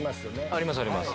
ありますあります。